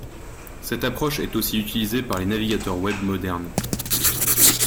Cette approche est aussi utilisée par les navigateurs web modernes.